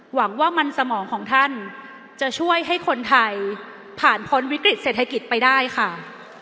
หวังว่ามันสมองของท่านจะช่วยให้คนไทยผ่านพ้นวิกฤตเศรษฐกิจไปได้ค่ะ